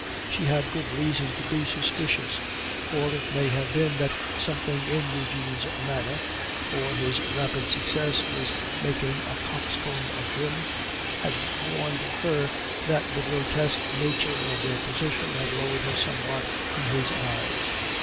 She had good reason to be suspicious. Or it may have been that something in Eugene's manner (for his rapid success was making a coxcomb of him) had warned her that the grotesque nature of their position had lowered her somewhat in his eyes.